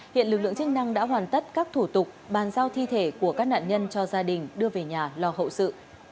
hiện lực lượng chức năng đã hoàn tất các thủ tục bàn giao thi thể của các nạn nhân cho gia đình đưa về nhà lo hậu sự